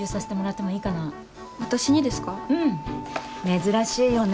珍しいよね